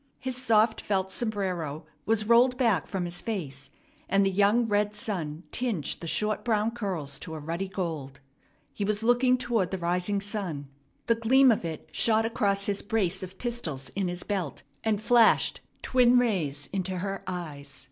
His soft felt sombrero was rolled back from his face, and the young red sun tinged the short brown curls to a ruddy gold. He was looking toward the rising sun. The gleam of it shot across his brace of pistols in his belt, and flashed twin rays into her eyes.